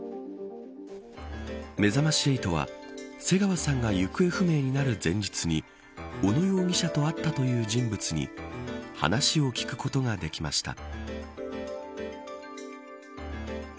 めざまし８は瀬川さんが行方不明になる前日に小野容疑者と会ったという人物に話を聞くことができました。